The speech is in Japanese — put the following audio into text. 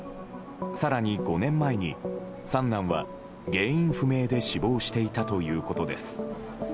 更に５年前に三男は原因不明で死亡していたということです。